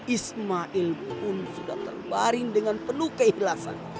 ismail pun sudah terbaring dengan penuh keikhlasan